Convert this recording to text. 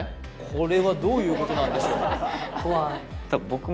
これはどういうことなんでしょう？